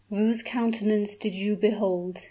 Whose countenance did you behold?